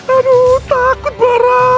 aduh takut bara